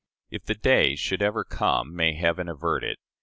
If the day should ever come (may Heaven avert it!)